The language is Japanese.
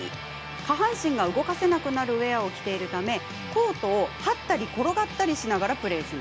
下半身が動かせなくなるウエアを着ているためコートをはったり転がったりしながらプレー。